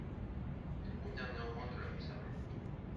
Il convient néanmoins de la conserver.